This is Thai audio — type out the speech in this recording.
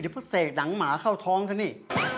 นี่พวกเสกหังหมาเข้าท้องสินี่